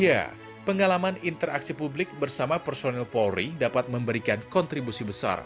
ya pengalaman interaksi publik bersama personel polri dapat memberikan kontribusi besar